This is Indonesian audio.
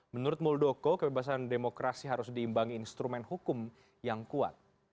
menurut muldoko kebebasan demokrasi harus diimbangi instrumen hukum yang kuat